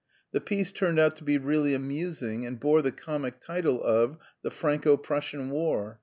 The piece turned out to be really amusing, and bore the comic title of "The Franco Prussian War."